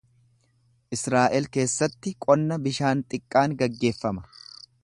Israa’el keessatti qonna bishaan xiqqaan gaggeeffama.